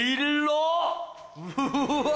うわ！